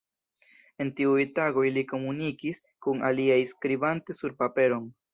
En tiuj tagoj li komunikis kun aliaj skribante sur paperon.